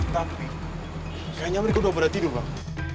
tapi kayaknya mereka udah berat tidur bang